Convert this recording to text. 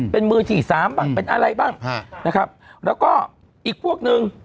เป็นมือถี่สามเป็นอะไรบ้างแล้วก็อีกพวกนึง